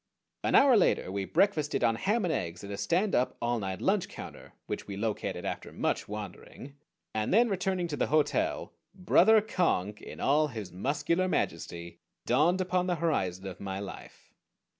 An hour later we breakfasted on ham and eggs at a stand up all night lunch counter which we located after much wandering, and then, returning to the hotel, Brother Conk in all his muscular majesty dawned upon the horizon of my life.